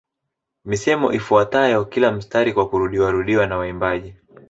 Misemo ifuatayo kila mstari kwa kurudiwarudiwa na waimbaji